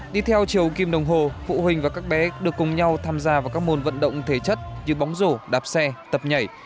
đi theo chiều kim đồng hồ phụ huynh và các bé được cùng nhau tham gia vào các môn vận động thể chất như bóng rổ đạp xe tập nhảy